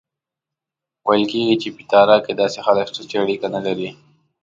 ویل کېږي په پیترا کې داسې خلک شته چې اړیکه نه لري.